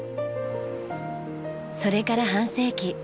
それから半世紀。